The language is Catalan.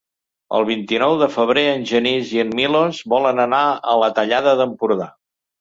El vint-i-nou de febrer en Genís i en Milos volen anar a la Tallada d'Empordà.